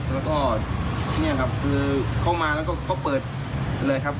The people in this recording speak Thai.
แล้วก็เนี่ยครับคือเข้ามาแล้วก็เขาเปิดเลยครับ